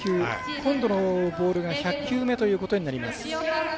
今度のボールが１００球目ということになります。